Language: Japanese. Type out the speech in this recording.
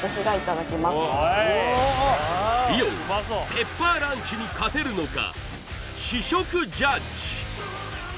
イオンはペッパーランチに勝てるのか？